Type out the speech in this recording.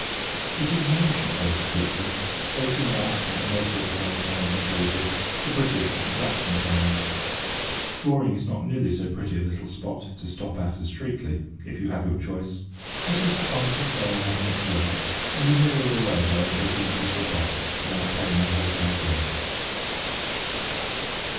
It is an ancient place, Streatley, dating back, like most river side towns and villages, to British and Saxon times. Goring is not nearly so pretty a little spot to stop at as Streatley, if you have your choice; but it is passing fair enough in its way, and is nearer the railway in case you want to slip off without paying your hotel bill.